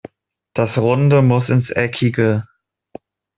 Das Runde muss ins Eckige.